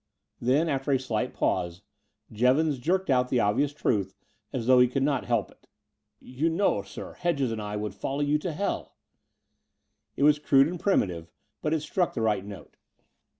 Then, after a slight pause, Jevons jerked out the obvious truth as though he could not help it : "You know, sir. Hedges and I would follow you to heU." It was crude and primitive, but struck the right note.